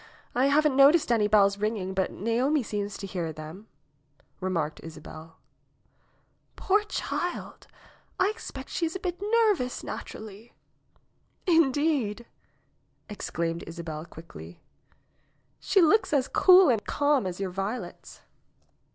I haven't noticed any bells ringing, but Naomi seems to hear them," remarked Isabel. ^Toor child ! I expect she is a bit nervous naturally." ^Tndeed!" exclaimed Isabel quickly, '^she looks as cool and calm as your violets."